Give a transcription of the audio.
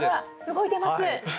動いてます！